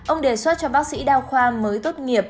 ông đề xuất cho bác sĩ đa khoa mới tốt nghiệp